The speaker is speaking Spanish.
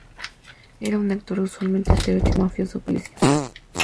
Era un actor usualmente estereotipado como mafioso o policía.